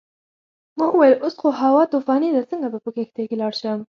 ما وویل اوس خو هوا طوفاني ده څنګه به په کښتۍ کې لاړ شم.